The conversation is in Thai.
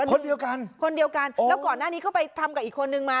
คนเดียวกันคนเดียวกันแล้วก่อนหน้านี้ก็ไปทำกับอีกคนนึงมา